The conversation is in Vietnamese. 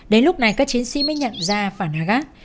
đến lúc này các chiến sĩ mới nhận ra phản á gác